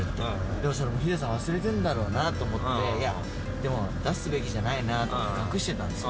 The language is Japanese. でもそれヒデさん忘れてるんだろうなと思って、でも出すべきじゃないなって隠してたんですよ。